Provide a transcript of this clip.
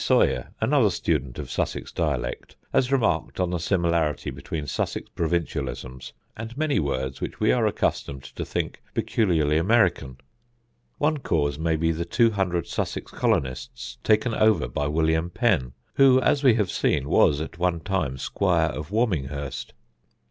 Sawyer, another student of Sussex dialect, has remarked on the similarity between Sussex provincialisms and many words which we are accustomed to think peculiarly American. One cause may be the two hundred Sussex colonists taken over by William Penn, who, as we have seen, was at one time Squire of Warminghurst.